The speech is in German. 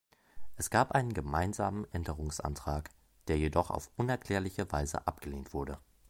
Es gab einen gemeinsamen Änderungsantrag, der jedoch auf unerklärliche Weise abgelehnt wurde.